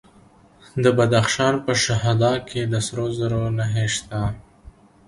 د بدخشان په شهدا کې د سرو زرو نښې شته.